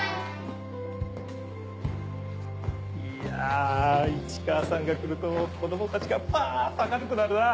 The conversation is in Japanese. いや市川さんが来ると子供たちがパっと明るくなるなぁ。